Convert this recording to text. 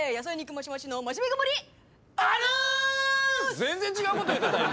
全然違うこと言うてた今。